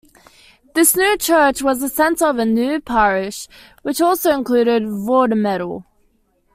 This new church was the centre of a new parish which also included Vormedal.